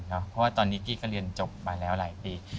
เพราะว่าตอนนี้กี้ก็เรียนจบมาแล้วหลายปี